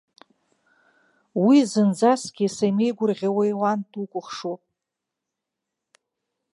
Уи зынӡаскгьы самеигәырӷьауеи, уан дукәыхшоуп.